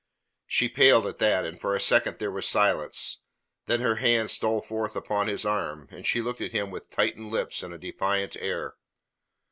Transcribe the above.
She paled at that, and for a second there was silence. Then her hand stole forth upon his arm, and she looked at him with tightened lips and a defiant air.